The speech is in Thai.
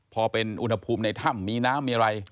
พอเป็นอุณหภูมิในถ้ำมีน้ำมีอะไร